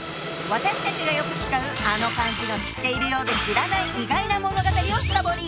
私たちがよく使うあの漢字の知ってるようで知らない意外な物語を深掘り！